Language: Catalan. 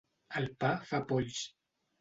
El pa fa polls.